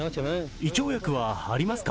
胃腸薬はありますか？